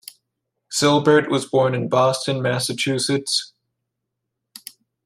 Silbert was born in Boston Massachusetts.